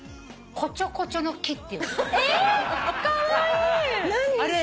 こちょこちょの木って。